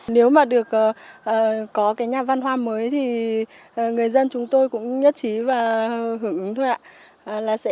nếu mà được có cái nhà văn hóa mới thì người dân chúng tôi cũng nhất trí và hưởng ứng thôi ạ